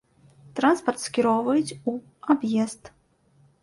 Транспарт скіроўваюць у аб'езд.